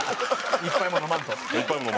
１杯も飲まんと。